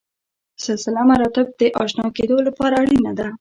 سلسله مراتب د اشنا کېدو لپاره اړینه ده.